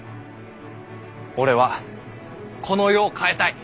俺はこの世を変えたい。